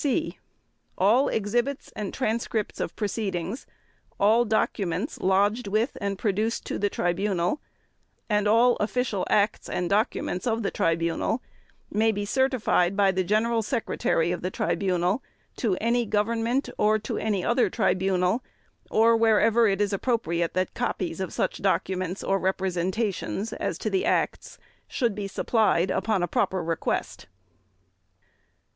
(c) All exhibits and transcripts of proceedings, all documents lodged with and produced to the Tribunal and all official acts and documents of the Tribunal may be certified by the General Secretary of the Tribunal to any Government or to any other tribunal or wherever it is appropriate that copies of such documents or representations as to such acts should be supplied upon a proper request.